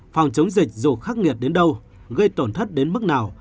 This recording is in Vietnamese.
phòng chống dịch dù khắc nghiệt đến đâu gây tổn thất đến mức nào